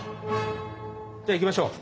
じゃあ行きましょう。